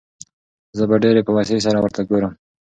زه په ډېرې بېوسۍ سره ورته ګورم.